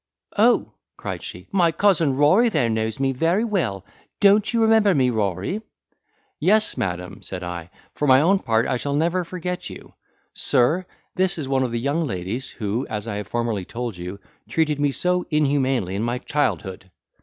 "Oh!" cried she, "my cousin Rory there knows me very well. Don't you remember me, Rory?" "Yes, madam," said I; "for my own part, I shall never forget you. Sir, this is one of the young ladies, who (as I have formerly told you) treated me so humanely in my childhood!"